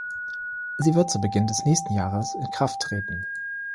Sie wird zu Beginn des nächsten Jahres in Kraft treten.